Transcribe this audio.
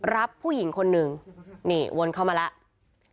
รับผู้หญิงคนหนึ่งนี่วนเข้ามาแล้ว